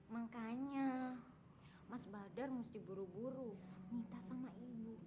makanya mas badar mesti buru buru minta sama ibu